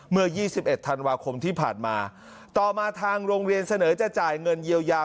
เมื่อ๒๑ธันวาคมที่ผ่านมาต่อมาทางโรงเรียนเสนอจะจ่ายเงินเยียวยา